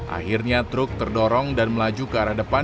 akhirnya truk terdorong dan melaju ke arah depan